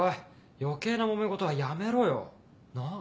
余計なもめ事はやめろよなぁ？